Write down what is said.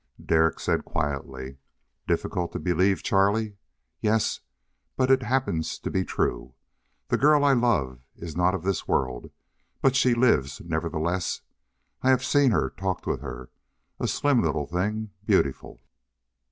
Derek said quietly, "Difficult to believe, Charlie? Yes! But it happens to be true. The girl I love is not of this world, but she lives nevertheless. I have seen her, talked with her. A slim little thing beautiful...."